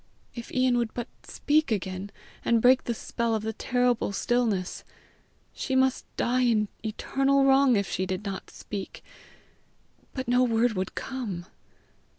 If Ian would but speak again, and break the spell of the terrible stillness! She must die in eternal wrong if she did not speak! But no word would come.